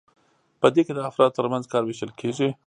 په دې کې د افرادو ترمنځ کار ویشل کیږي.